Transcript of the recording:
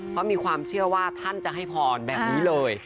เพราะมีความเชื่อว่าท่านจะให้พรแบบนี้เลย